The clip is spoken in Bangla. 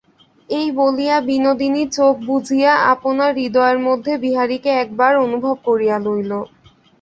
এই বলিয়া বিনোদিনী চোখ বুজিয়া আপনার হৃদয়ের মধ্যে বিহারীকে একবার অনুভব করিয়া লইল।